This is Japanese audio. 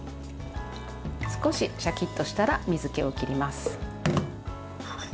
少ししゃきっとしたら水けを切ります。